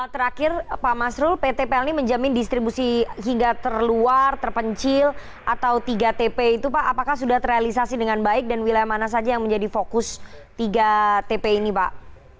terakhir pak masrul pt plni menjamin distribusi hingga terluar terpencil atau tiga tp itu pak apakah sudah terrealisasi dengan baik dan wilayah mana saja yang menjadi fokus tiga tp ini pak